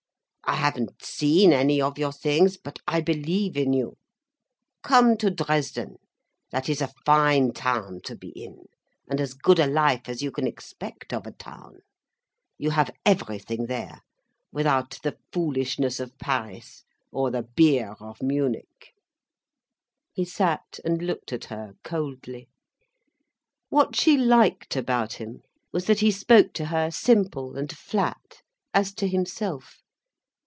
I haven't seen any of your things, but I believe in you. Come to Dresden—that is a fine town to be in, and as good a life as you can expect of a town. You have everything there, without the foolishness of Paris or the beer of Munich." He sat and looked at her, coldly. What she liked about him was that he spoke to her simple and flat, as to himself.